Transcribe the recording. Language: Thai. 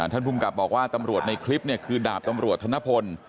ท่านภูมิกลับบอกว่าตำรวจในคลิปคือดาบตำรวจธนพล